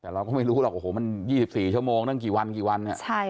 แต่เราก็ไม่รู้หรอกมัน๒๔ชั่วโมงนั่งกี่วันกี่วัน